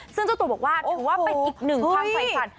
ซึ่งเจ้าตัวบอกว่าถือว่าเป็นอีกหนึ่งความฝ่ายฝัน